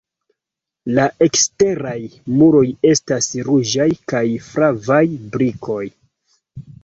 La eksteraj muroj estas ruĝaj kaj flavaj brikoj.